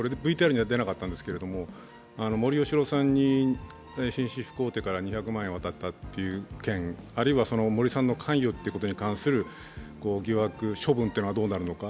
ＶＴＲには出なかったんですけれども森喜朗さんに紳士服大手から２００万円を渡したという件、あるいは森さんの関与に関する疑惑、処分はどうなるのか。